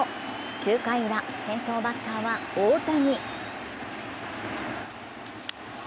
９回ウラ、先頭バッターは大谷。